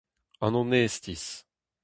An onestiz.